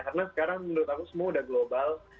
karena sekarang menurut aku semua udah global